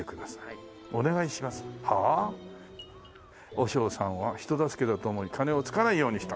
「和尚さんは人助けだと思い鐘をつかないようにした」